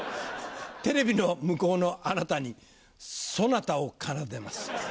テレビの向こうのあなたにソナタを奏でます。